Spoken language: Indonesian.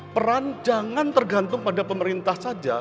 peran jangan tergantung pada pemerintah saja